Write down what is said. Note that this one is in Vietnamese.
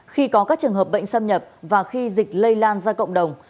khi có các trường hợp bệnh xâm nhập và khi dịch lây lan ra cộng đồng